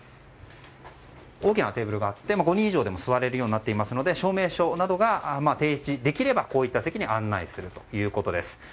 大きなテーブルがありまして５人以上でも座れるようになっているので、証明書などを提示できれば、こういった席に案内するということです。